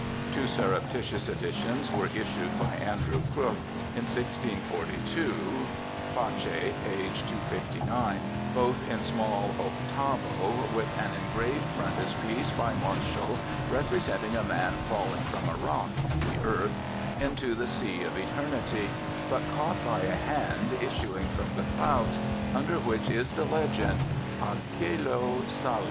Two surreptitious editions were issued by Andrew Crooke in 1642 (face p. 259), both in small octavo, with an engraved frontispiece by Marshall representing a man falling from a rock (the earth) into the sea of eternity, but caught by a hand issuing from the clouds, under which is the legend, A Coelo Salus.